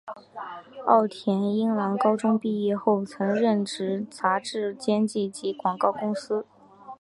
奥田英朗高中毕业后曾任职杂志编辑及广告公司。